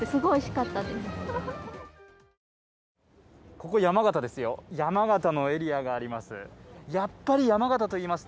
ここ、山形ですよ、山形のエリアがあります。